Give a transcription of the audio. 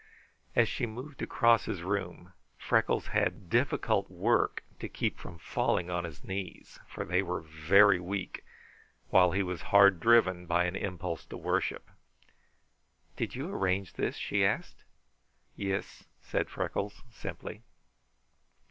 As she moved across his room, Freckles had difficult work to keep from falling on his knees; for they were very weak, while he was hard driven by an impulse to worship. "Did you arrange this?" she asked. "Yis," said Freckles simply.